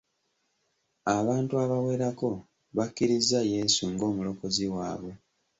Abantu abawerako bakkirizza Yesu ng'omulokozi waabwe.